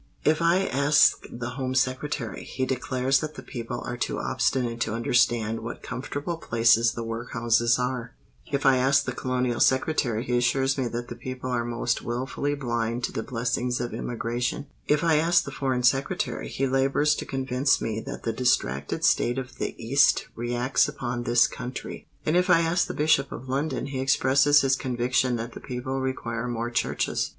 If I ask the Home Secretary, he declares that the people are too obstinate to understand what comfortable places the workhouses are;—if I ask the Colonial Secretary, he assures me that the people are most wilfully blind to the blessings of emigration: if I ask the Foreign Secretary, he labours to convince me that the distracted state of the East reacts upon this country; and if I ask the Bishop of London he expresses his conviction that the people require more churches."